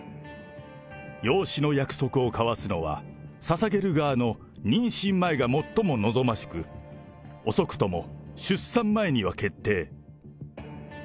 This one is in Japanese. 養子の約束を交わすのは、ささげる側の妊娠前が最も望ましく、遅くとも出産前には決定。